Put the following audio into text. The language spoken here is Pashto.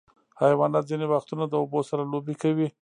حیوانات ځینې وختونه د اوبو سره لوبې کوي.